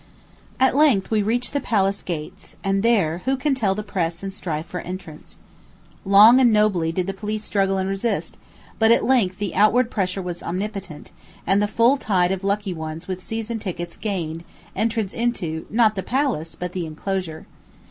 At length we reach the palace gates; and there, who can tell the press and strife for entrance. Long and nobly did the police struggle and resist, but at length the outward pressure was omnipotent, and the full tide of lucky ones with season tickets gained, entrance into, not the palace, but the enclosure.